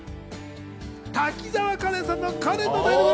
滝沢カレンさんの『カレンの台所』。